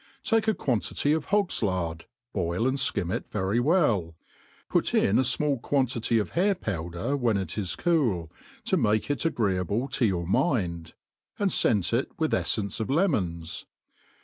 TAKE a^quantity of hog's lard, boil and fkrm* it very well ; put in a fmall quantity of hair^powder, vtrhen it is cool^ tt> make it agreeable to your qiind ; and fcent it with cffbnce of lemons.